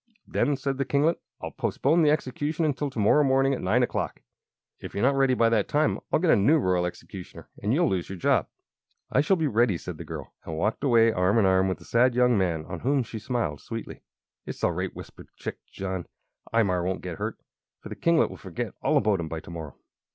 "Then," said the kinglet, "I'll postpone the execution until to morrow morning at nine o'clock. If you're not ready by that time I'll get a new Royal Executioner and you'll lose your job." "I shall be ready," said the girl, and walked away arm in arm with the sad young man, on whom she smiled sweetly. "It's all right," whispered Chick to John. "Imar won't get hurt, for the kinglet will forget all about him by to morrow."